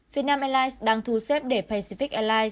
việt nam airlines đang thu xếp để pacific airlines